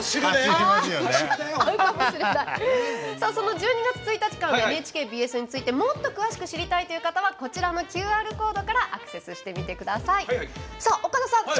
１２月１日からのＮＨＫＢＳについてもっと詳しく知りたいという方はこちらのＱＲコードからアクセスしてみてください。